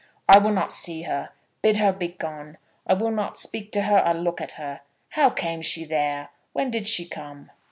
I will not see her. Bid her begone. I will not speak to her or look at her. How came she there? When did she come?"